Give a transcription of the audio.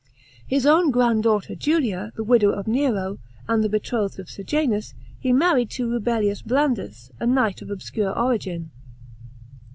His own grand daughter Julia, the widow of Nero, and the betrothed of Sejanus, he married to Rubellius Blandus, a knight of obscure origin.